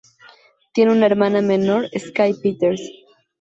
Tiene una hermana menor, Skye Peters.